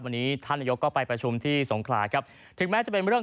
วันนี้ท่านนายก็ไปประชุมที่ทศทึ่งแม้จะเป็นเรื่อง